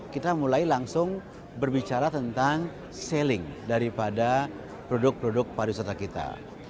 kita mulai langsung berbicara tentang selling daripada produk produk pariwisata kita